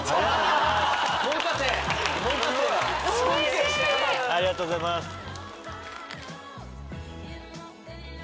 ありがとうございます。